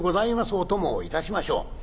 お供をいたしましょう』。